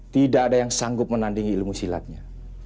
tidak ada yang sanggup menandingi ilmu silatnya